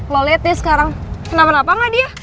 lo liat deh sekarang kenapa napa gak dia